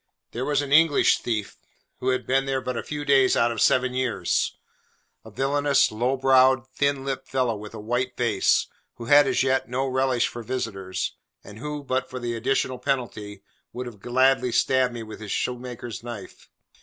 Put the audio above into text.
There was an English thief, who had been there but a few days out of seven years: a villainous, low browed, thin lipped fellow, with a white face; who had as yet no relish for visitors, and who, but for the additional penalty, would have gladly stabbed me with his shoemaker's knife.